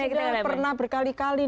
kita sudah pernah berkali kali